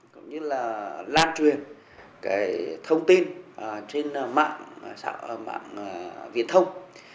cũng như là lan truyền thông tin trên mạng viện thông